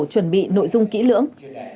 chuẩn bị nội dung kỹ lưỡng